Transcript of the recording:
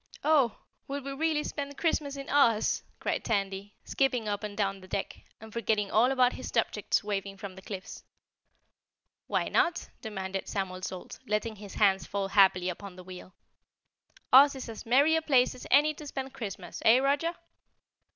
"Oh! Will we really spend Christmas in Oz?" cried Tandy, skipping up and down the deck, and forgetting all about his subjects waving from the cliffs. "Why not?" demanded Samuel Salt, letting his hands fall happily upon the wheel. "Oz is as merry a place as any to spend Christmas, eh, Roger?"